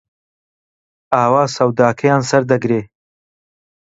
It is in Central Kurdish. ئاوا سەوداکەیان سەردەگرێ